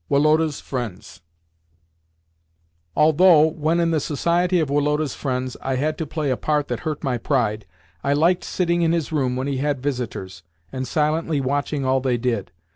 WOLODA'S FRIENDS Although, when in the society of Woloda's friends, I had to play a part that hurt my pride, I liked sitting in his room when he had visitors, and silently watching all they did.